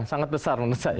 sangat besar menurut saya